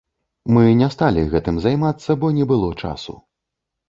Мы не сталі гэтым займацца, бо не было часу.